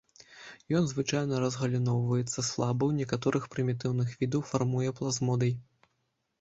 Ён звычайна разгаліноўваецца слаба, у некаторых прымітыўных відаў фармуе плазмодый.